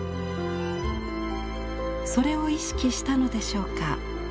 それを意識したのでしょうか。